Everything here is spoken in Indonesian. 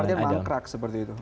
ini artinya langkrak seperti itu